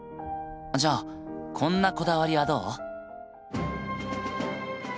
じゃあこんなこだわりはどう？